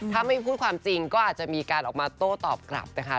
ถ้าไม่พูดความจริงก็อาจจะมีการออกมาโต้ตอบกลับนะคะ